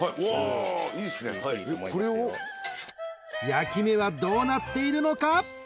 ［焼き目はどうなっているのか？］